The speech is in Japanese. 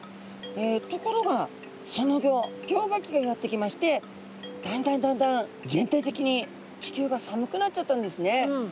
ところがそのギョ氷河期がやってきましてだんだんだんだん全体的に地球が寒くなっちゃったんですね。